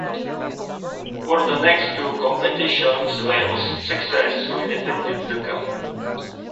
For the next two competitions Wales successfully defended the cup.